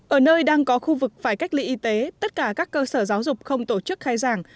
ở nơi đang có khu vực phải cách ly y tế tất cả các cơ sở giáo dục không tổ chức khai giảng